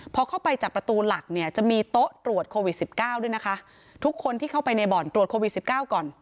พอเข้าไปจากประตูหลักเนี่ยจะมีโต๊ะตรวจโควิดสิบเก้าด้วยนะคะทุกคนที่เข้าไปในบ่อนตรวจโควิดสิบเก้าก่อน